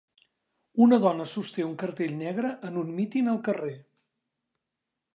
Una dona sosté un cartell negre en un míting al carrer.